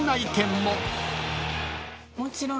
もちろん。